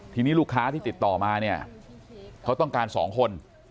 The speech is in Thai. ทีนี้ลูกค้าที่ติดต่อมาเนี่ยเขาต้องการ๒คน